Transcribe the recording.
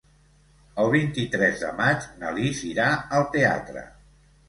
El vint-i-tres de maig na Lis irà al teatre.